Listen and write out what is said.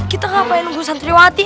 kita gak payah nunggu santriwati